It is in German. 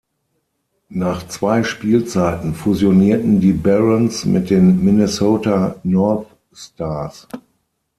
Nach zwei Spielzeiten fusionierten die Barons mit den Minnesota North Stars.